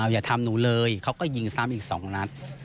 อย่าทำหนูเลยเขาก็ยิงซ้ำอีก๒นัด